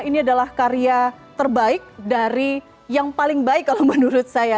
ini adalah karya terbaik dari yang paling baik kalau menurut saya